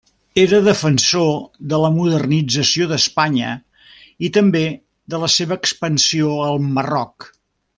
Era defensor de la modernització d'Espanya, i també de la seva expansió al Marroc.